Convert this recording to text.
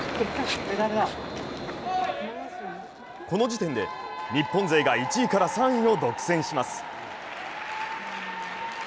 この時点で日本勢が１位から３位を独占します。